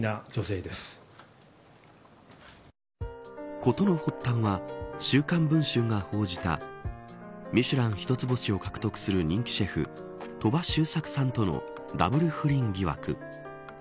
事の発端は、週刊文春が報じたミシュラン一つ星を獲得する人気シェフ鳥羽周作さんとのダブル不倫疑惑。